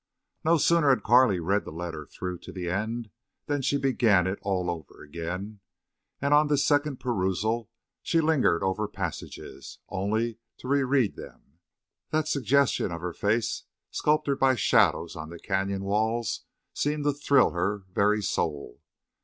No sooner had Carley read the letter through to the end than she began it all over again, and on this second perusal she lingered over passages—only to reread them. That suggestion of her face sculptured by shadows on the canyon walls seemed to thrill her very soul.